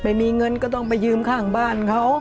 ไม่มีเงินก็ต้องไปยืมข้างบ้านเขา